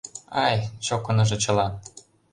Ай, чокыныжо чыла!..